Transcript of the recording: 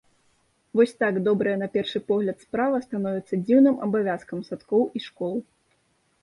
Вось так добрая на першы погляд справа становіцца дзіўным абавязкам садкоў і школ.